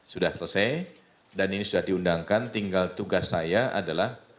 sudah selesai dan ini sudah diundangkan tinggal tugas saya adalah